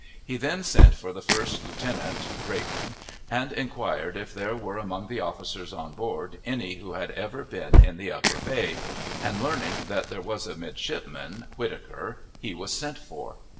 He then sent for the first lieutenant (Drayton), and inquired if there were among the officers on board any who had ever been in the Upper Bay, and learning that there was a midshipman (Whittaker) he was sent for.